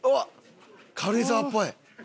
軽井沢っぽい！